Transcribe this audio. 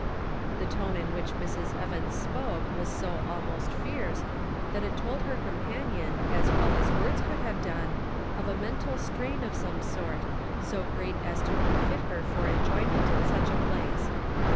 The tone in which Mrs. Evans spoke was so almost fierce, that it told her companion as well as words could have done of a mental strain of some sort, so great as to unfit her for enjoyment in such a place.